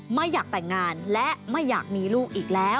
ไม่อยากแต่งงานและไม่อยากมีลูกอีกแล้ว